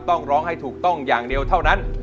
ต้องร้องให้ถูกต้องอย่างเดียวเท่านั้น